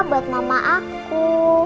buat mama aku